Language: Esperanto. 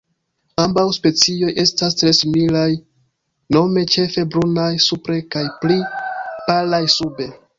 Ambaŭ specioj estas tre similaj, nome ĉefe brunaj supre kaj pli palaj sube.